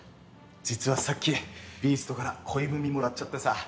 実はさっきビーストから恋文もらっちゃってさ。